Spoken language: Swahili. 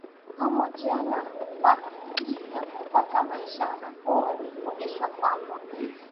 pamoja na nafasi ya kupata maisha nafuu Walifundishwa kwamba